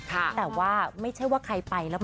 แต่ว่าไม่เชื่อว่าใครไป